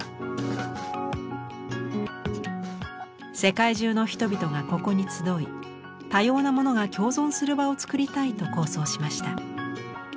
世界中の人々がここに集い多様なものが共存する場を作りたいと構想しました。